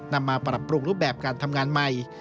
นำมาปรับปรุงรูปแบบการทำงานใหม่